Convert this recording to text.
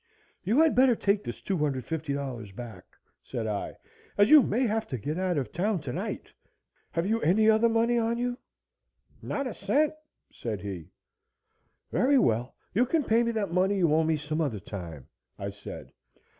"You had better take this $250 back," said I, "as you may have to get out of town tonight. Have you any other money on you?" "Not a cent," said he. "Very well, you can pay me that money you owe some other time," I said.